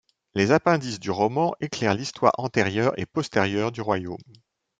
Les appendices du roman éclairent l'histoire antérieure et postérieure du royaume.